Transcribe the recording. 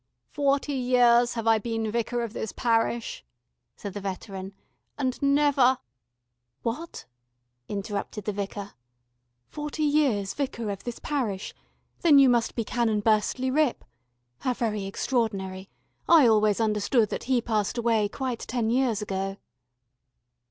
"Forty years have I been Vicar of this parish," said the veteran, "and never " "What?" interrupted the Vicar, "Forty years Vicar of this parish. Then you must be Canon Burstley Ripp. How very extraordinary, I always understood that he passed away quite ten years ago."